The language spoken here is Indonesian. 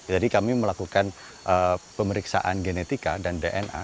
jadi kami melakukan pemeriksaan genetika dan dna